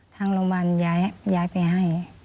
ทางโรงพยาบาลย้ายไปให้